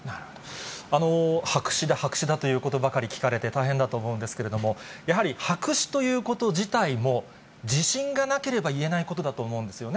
白紙だ白紙だということばかり聞かれて、大変だと思うんですけれども、やはり白紙ということ自体も、自信がなければ言えないことだと思うんですよね。